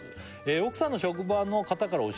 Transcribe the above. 「奥さんの職場の方から教えてもらい」